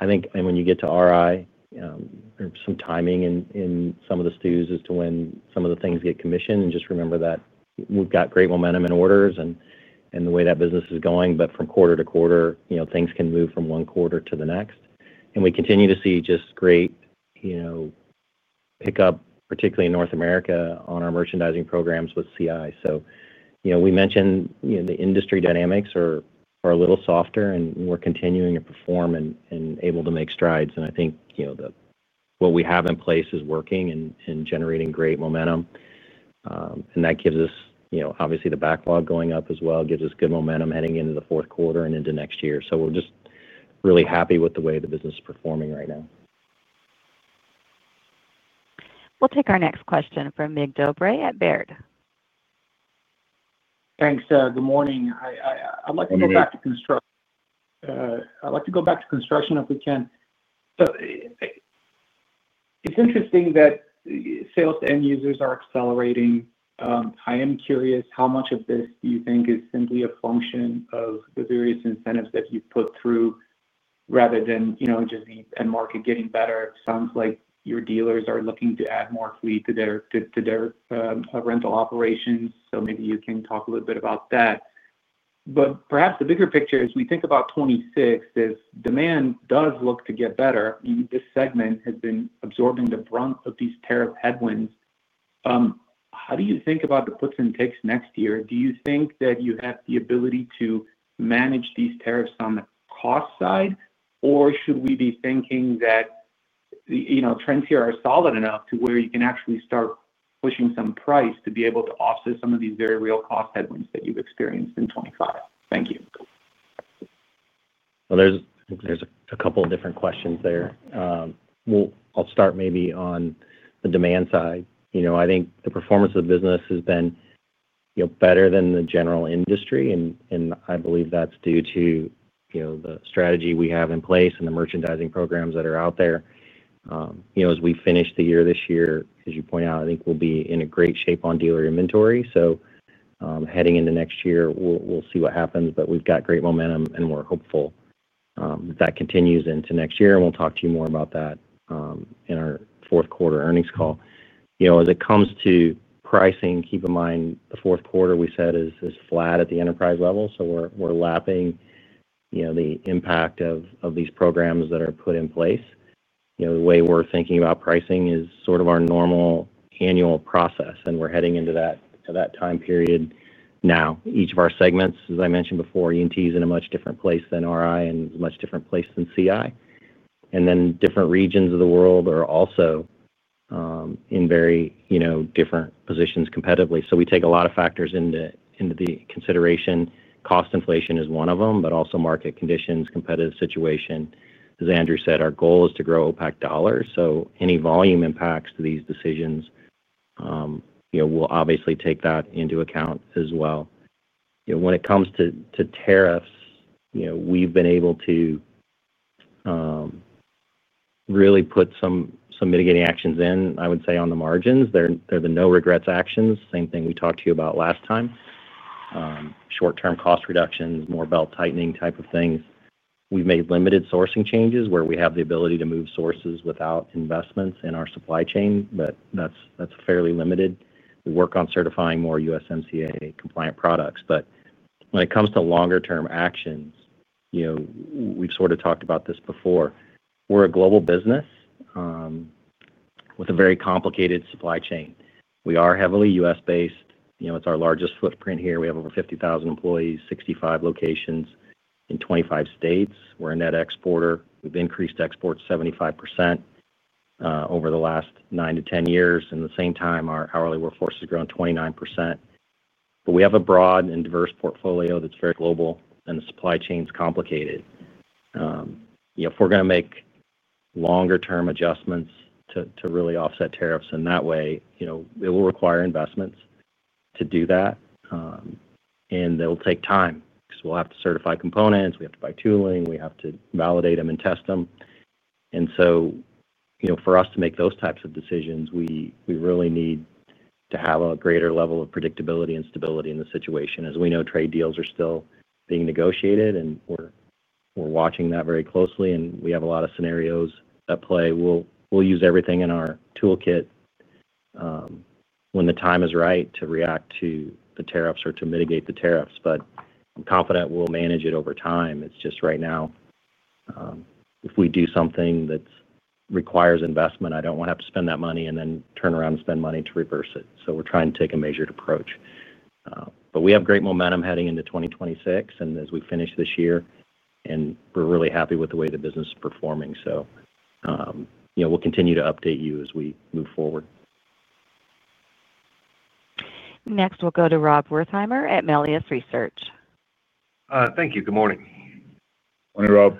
I think when you get to RI some timing in some of the STUs as to when some of the things get commissioned. Just remember that we've got great momentum in orders and the way that business is going. From quarter-to-quarter, things can move from one quarter to the next. We continue to see just great pick up, particularly in North America on our merchandising programs with CI. We mentioned the industry dynamics are a little softer and we're continuing to perform and able to make strides. I think what we have in place is working and generating great momentum, and that gives us obviously the backlog going up as well, gives us good momentum heading into the fourth quarter and into next year. We're just really happy with the way the business is performing right now. We'll take our next question from Mircea Dobre at Baird. Thanks. Good morning. I'd like to go back to construction if we can. It's interesting that sales to end users are accelerating. I am curious, how much of this do you think is simply a function of the various incentives that you've put through rather than just the end market getting better? Sounds like your dealers are looking to add more fleet to their rental operations. Maybe you can talk a little bit about that. Perhaps the bigger picture, as we think about 2026, if demand does look to get better, this segment has been absorbing the brunt of these tariff headwinds. How do you think about the puts and takes next year? Do you think that you have the ability to manage these tariffs on the cost side, or should we be thinking that trends here are solid enough to where you can actually start pushing some price to be able to offset some of these very real cost headwinds that you've experienced in 2025? Thank you. There are a couple of different questions there. I'll start maybe on the demand side. I think the performance of the business has been better than the general industry and I believe that's due to the strategy we have in place and the merchandising programs that are out there. As we finish the year this year, as you point out, I think we'll be in great shape on dealer inventory. Heading into next year we'll see what happens. We've got great momentum and we're hopeful that continues into next year. We'll talk to you more about that in our fourth quarter earnings call. As it comes to pricing, keep in mind the fourth quarter, we said, is flat at the enterprise level. We're lapping the impact of these programs that are put in place. The way we're thinking about pricing is sort of our normal annual process and we're heading into that time period. Each of our segments, as I mentioned before, E&T is in a much different place than RI and much different place than CI, and then different regions of the world are also in very different positions competitively. We take a lot of factors into consideration. Cost inflation is one of them, but also market conditions and competitive situation. As Andrew said, our goal is to grow OpEx dollars. Any volume impacts to these decisions, we'll obviously take that into account as well. When it comes to tariffs, we've been able to really put some mitigating actions in. I would say on the margins, they're the no regrets actions. Same thing we talked to you about last time, short term cost reductions, more belt tightening type of things. We've made limited sourcing changes where we have the ability to move sources without investments in our supply chain, but that's fairly limited. We work on certifying more USMCA compliance products. When it comes to longer term actions, we've sort of talked about this before. We're a global business with a very complicated supply chain. We are heavily U.S. based. It's our largest footprint here. We have over 50,000 employees, 65 locations in 25 states. We're a net exporter. We've increased exports 75% over the last 9-10 years and at the same time our hourly workforce has grown 29%. We have a broad and diverse portfolio that's very global, and the supply chain is complicated. If we're going to make longer term adjustments to really offset tariffs in that way, it will require investments to do that, and they'll take time because we'll have to certify components, we have to buy tooling, we have to validate them, and test them. For us to make those types of decisions, we really need to have a greater level of predictability and stability in the situation. As we know, trade deals are still being negotiated, and we're watching that very closely, and we have a lot of scenarios at play. We'll use everything in our toolkit when the time is right to react to the tariffs or to mitigate the tariffs. I'm confident we'll manage it over time. Right now, if we do something that requires investment, I don't want to have to spend that money and then turn around and spend money to reverse it. We're trying to take a measured approach. We have great momentum heading into 2026 and as we finish this year, and we're really happy with the way the business is performing. We'll continue to update you as we move forward. Next we'll go to Rob Wertheimer at Melius Research. Thank you. Good morning. Good morning Rob.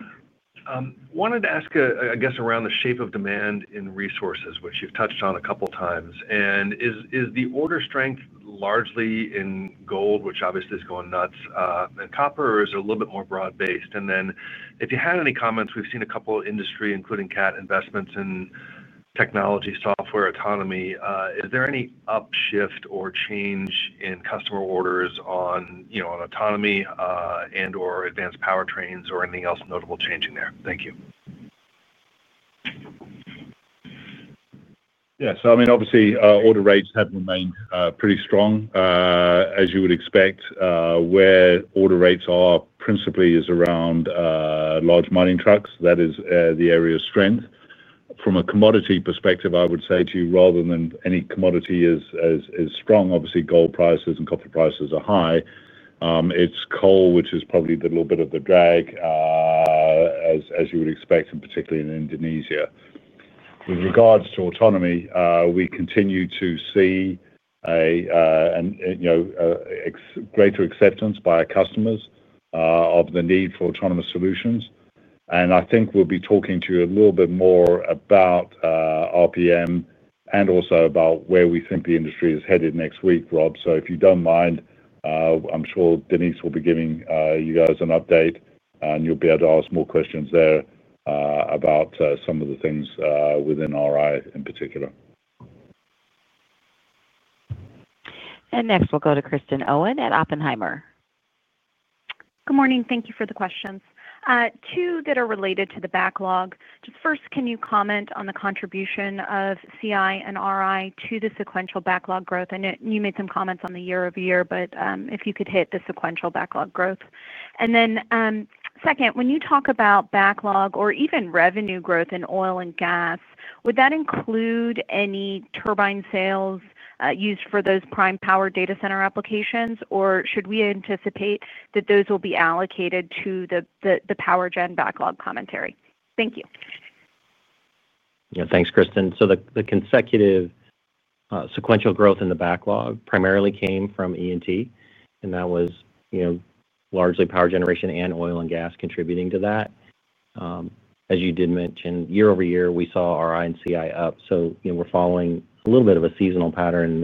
Wanted to ask I guess around. The shape of demand in resources, which you've touched on a couple times, is the order strength largely in gold? Which obviously is going nuts, and copper. Is it a little bit more broad based? If you had any comments. We've seen a couple industry, including CAT investments in technology, software, autonomy. Is there any upshift or change in customer orders on, you know, on autonomy and or advanced powertrains or anything else notable changing there? Thank you. Yes, I mean obviously order rates have remained pretty strong as you would expect. Where order rates are principally is around large mining trucks. That is the area of strength from a commodity perspective. I would say to you, rather than any commodity is strong. Obviously gold prices and copper prices are high. It's coal, which is probably the little bit of the drag as you would expect. Particularly in Indonesia with regards to autonomy, we continue to see greater acceptance by our customers of the need for autonomous solutions. I think we'll be talking to you a little bit more about RPM and also about where we think the industry is headed next week, Rob. If you don't mind, I'm sure Denise will be giving you guys an update and you'll be able to ask more questions there about some of the things within RI in particular. Next we'll go to Kristen Owen at Oppenheimer. Good morning. Thank you. For the questions, two that are related to the backlog. First, can you comment on the contribution of CI and RI to the sequential backlog growth? You made some comments on the year-over-year, but if you could hit the sequential backlog growth. Second, when you talk about backlog or even revenue growth in oil and gas, would that include any turbine sales used for those prime power data center applications, or should we anticipate that those will be allocated to the power gen backlog? Commentary. Thank you. Thanks, Kristen. The consecutive sequential growth in the backlog primarily came from Energy and Transportation, and that was largely power generation and oil and gas contributing to that. As you did mention, year-over-year we saw our E&T up, so we're following a little bit of a seasonal pattern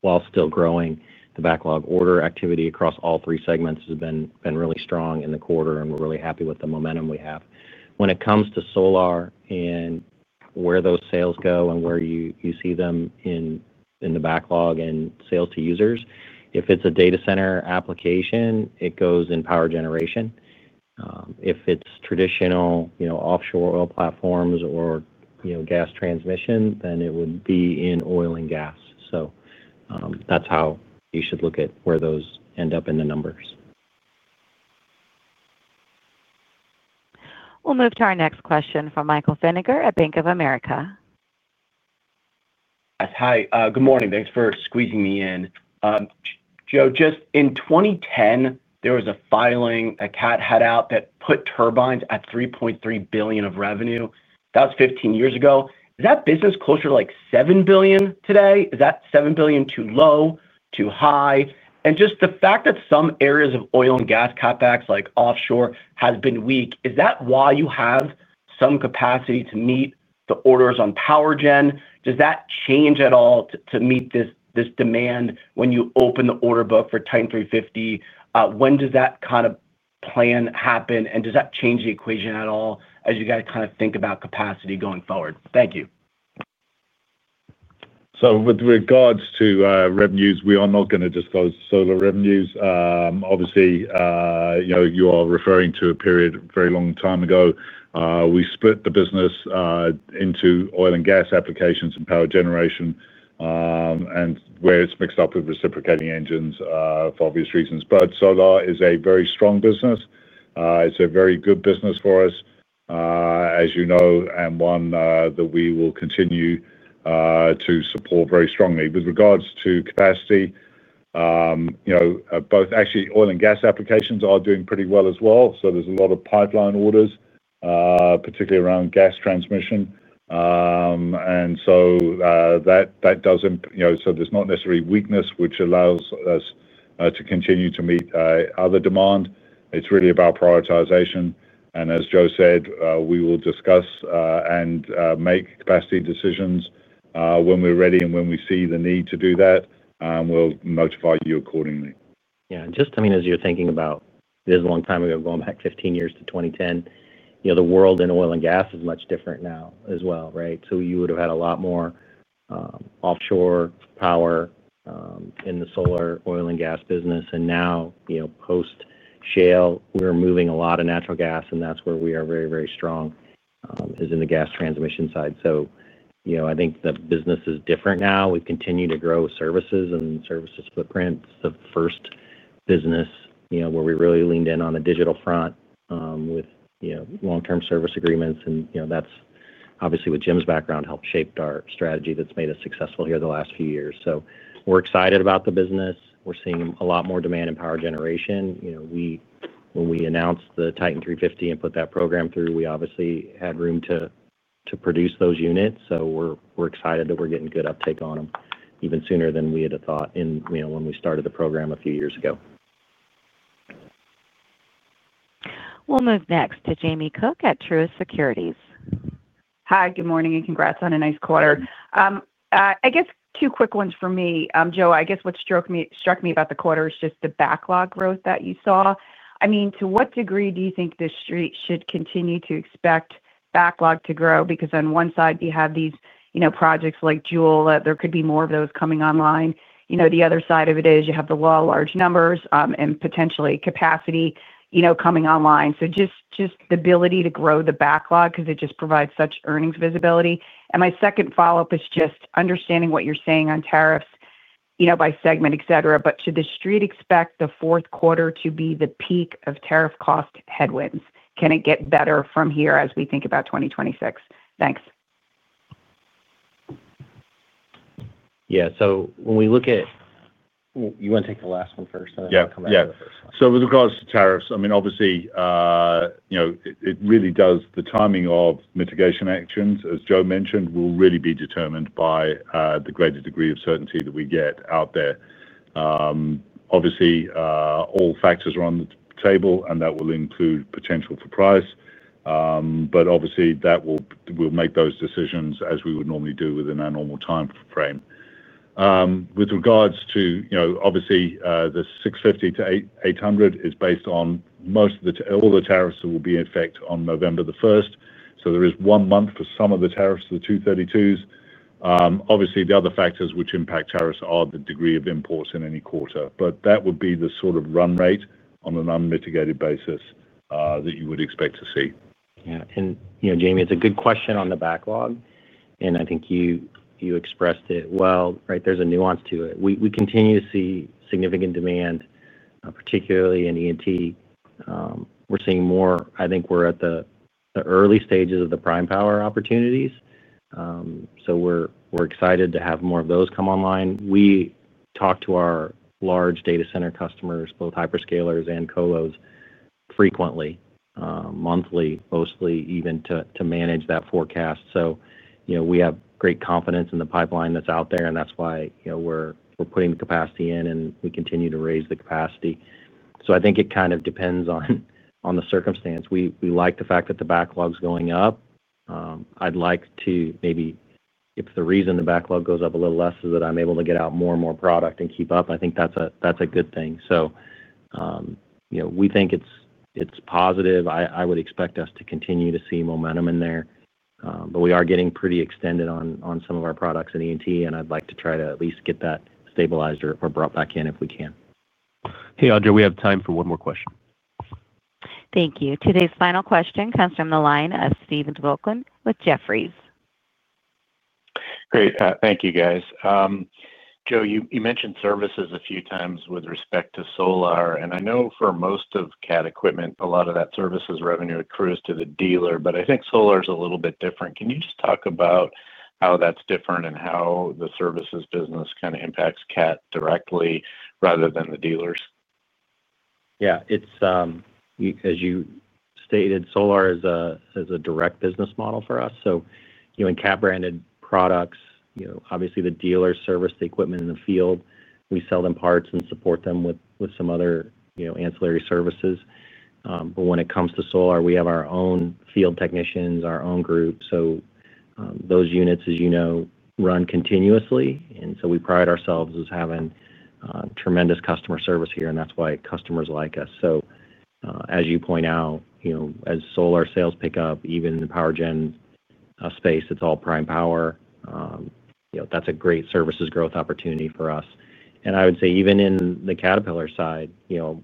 while still growing. The backlog order activity across all three segments has been really strong in the quarter, and we're really happy with the momentum we have when it comes to Solar and where those sales go and where you see them in the backlog and sales to users. If it's a data center application, it goes in power generation. If it's traditional offshore oil platforms or gas transmission, then it would be in oil and gas. That's how you should look at where those end up in the numbers. We'll move to our next question from Michael Feniger at Bank of America. Hi, good morning. Thanks for squeezing me in. Joe. Just in 2010, there was a filing Caterpillar had out that put turbines at $3.3 billion of revenue. That was 15 years ago, and that business is closer to like $7 billion today. Is that $7 billion too low, too high? The fact that some areas. Oil and gas CapEx like offshore has been weak. Is that why you have some capacity to meet the orders on power gen? Does that change at all to meet this demand? When you open the order book for Titan 350, when does that kind of plan happen and does that change the equation at all? You have to think about capacity going forward. Thank you. With regards to revenues, we are not going to disclose Solar Turbines revenues. Obviously, you know you are referring to a period a very long time ago. We split the business into oil and gas applications and power generation, and where it's mixed up with reciprocating engines for obvious reasons. Solar Turbines is a very strong business. It's a very good business for us, as you know, and one that we will continue to support very strongly. With regards to capacity, both oil and gas applications are doing pretty well as well. There are a lot of pipeline orders, particularly around gas transmission. There is not necessarily weakness, which allows us to continue to meet other demand. It's really about prioritization. As Joe Creed said, we will discuss and make capacity decisions when we're ready and when we see the need to do that. We'll notify you accordingly. Yeah, as you're thinking about this a long time ago, going back 15 years to 2010, the world in oil and gas is much different now as well. Right. You would have had a lot more offshore power in the Solar oil and gas business. Now, post shale, we're moving a lot of natural gas and that's where we are very, very strong is in the gas transmission side. I think the business is different now. We continue to grow services and services footprint. The first business where we really leaned in on the digital front with long term service agreements, and that's obviously with Jim's background, helped shape our strategy that's made us successful here the last few years. We're excited about the business. We're seeing a lot more demand in power generation. When we announced the Titan 350 and put that program through, we obviously had room to produce those units. We're excited that we're getting good uptake on them even sooner than we had thought when we started the program a few years ago. We'll move next to Jamie Cook at Truist Securities. Hi, good morning and congrats on a nice quarter. I guess two quick ones for me, Joe. What struck me about the quarter is just the backlog growth that you saw. To what degree do you think the street should continue to expect backlog to grow? Because on one side you have these, you know, projects like Joule, there could be more of those coming online. The other side of it is you have the law, large numbers and potentially capacity, you know, coming online. Just the ability to grow the backlog because it just provides such earnings visibility. My second follow up is just understanding what you're saying on tariffs, you know, by segment, etc. Should the street expect the fourth quarter to be the peak of tariff cost headwinds? Can it get better from here as we think about 2026? Thanks. Yeah. When we look at, you want to take the last one first? Yeah. With regards to tariffs, it really does. The timing of mitigation actions, as Joe mentioned, will really be determined by the greater degree of certainty that we get out there. All factors are on the table and that will include potential for price, but we will make those decisions as we would normally do within our normal time frame. With regards to the $650-$800, it is based on most of the tariffs that will be in effect on November 1st. There is one month for some of the tariffs, the 232s. The other factors which impact tariffs are the degree of imports in any quarter. That would be the sort of run rate on an unmitigated basis that you would expect to see. Jamie, it's a good question on the backlog, and I think you expressed it well. There's a nuance to it. We continue to see significant demand, particularly in ET. We're seeing more. I think we're at the early stages of the prime power opportunities, so we're excited to have more of those come online. We talk to our large data center customers, both hyperscalers and colos, frequently, monthly, mostly even to manage that forecast. We have great confidence in the pipeline that's out there, and that's why we're putting the capacity in and we continue to raise the capacity. I think it kind of depends on the circumstance. We like the fact that the backlog is going up. I'd like to maybe, if the reason the backlog goes up a little less is that I'm able to get out more and more product and keep up, I think that's a good thing. We think it's positive. I would expect us to continue to see momentum in there, but we are getting pretty extended on some of our products at ET and I'd like to try to at least get that stabilized or brought back in if we can. Hey, Audra, we have time for one more question. Thank you. Today's final question comes from the line of Stephen Volkmann with Jefferies. Great. Thank you, guys. Joe, you mentioned services a few times with respect to Solar, and I know. For most of Cat equipment, a lot of that services revenue accrues to the dealer. I think Solar is a little bit different. Can you just talk about how that's different and how the services business kind of impacts Cat directly rather than the dealers? Yeah, it's as you stated, Solar Turbines is a direct business model for us. In Cat branded products, obviously the dealers service the equipment in the field, we sell them parts and support them with some other ancillary services. When it comes to Solar Turbines, we have our own field technicians, our own group. Those units, as you know, run continuously. We pride ourselves as having tremendous customer service here, and that's why customers like us. As you point out, as Solar Turbines sales pick up, even the power generation space, it's all prime power. That's a great services growth opportunity for us. I would say even in the Caterpillar side,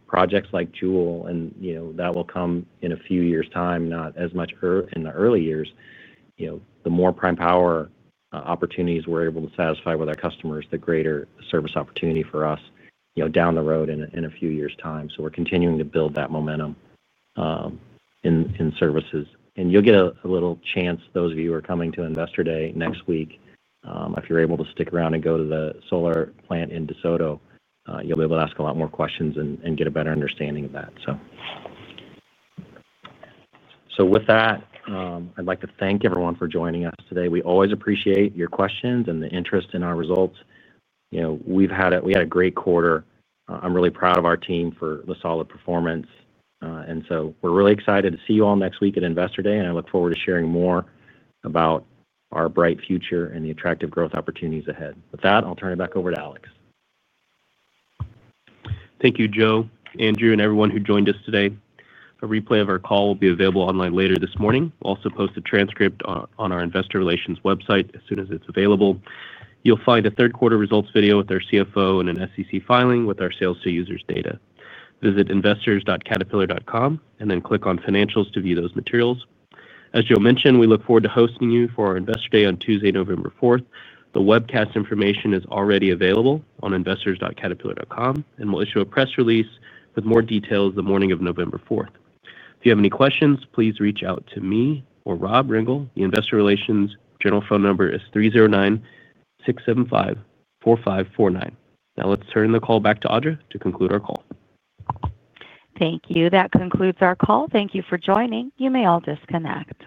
projects like Joule Capital Partners, and that will come in a few years' time, not as much in the early years. The more prime power opportunities we're able to satisfy with our customers, the greater service opportunity for us down the road in a few years' time. We're continuing to build that momentum. Services, and you'll get a little chance. Those of you who are coming to Investor Day next week, if you're able to stick around and go to the Solar Turbines plant in DeSoto, you'll be able to ask a lot more questions and get a better understanding of that. I'd like to thank everyone for joining us today. We always appreciate your questions and the interest in our results. We had a great quarter. I'm really proud of our team for the solid performance. We're really excited to see you all next week at Investor Day, and I look forward to sharing more about our bright future and the attractive growth opportunities ahead. With that, I'll turn it back over to Alex. Thank you, Joe, Andrew and everyone who joined us today. A replay of our call will be available online later this morning. We'll also post a transcript on our investor relations website as soon as it's available. You'll find a third quarter results video with our CFO and an SEC filing with our sales to users data. Visit investors.caterpillar.com and then click on Financials to view those materials. As Joe mentioned, we look forward to hosting you for our Investor Day on Tuesday, November 4th. The webcast information is already available on investors.caterpillar.com and we'll issue a press release with more details the morning of November 4th. If you have any questions, please reach out to me or to Rob Rengel. The Investor Relations general phone number is 309-675-4549. Now let's turn the call back to Audra to conclude our call. Thank you. That concludes our call. Thank you for joining. You may all disconnect.